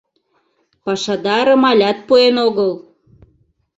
Пашадарым алят пуэн огыл.